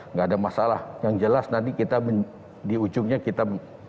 nggak ada masalah yang jelas nanti kita di ujungnya kita